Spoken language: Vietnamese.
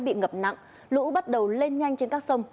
bị ngập nặng lũ bắt đầu lên nhanh trên các sông